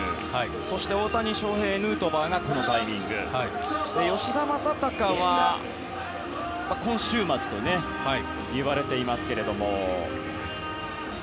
そして大谷翔平とヌートバーがこのタイミングで吉田正尚は今週末といわれていますけども。